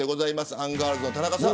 アンガールズの田中さん